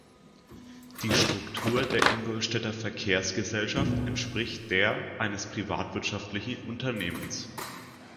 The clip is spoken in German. Die Struktur der Ingolstädter Verkehrsgesellschaft entspricht der eines privatwirtschaftlichen Unternehmens.